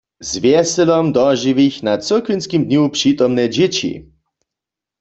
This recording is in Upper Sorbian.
Z wjeselom dožiwich na cyrkwinskim dnju přitomne dźěći.